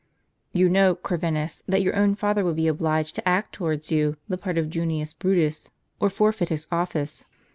" You know, Corvinus, that your own father would be obliged to act towards you the part of Junius Brutus, or forfeit his office."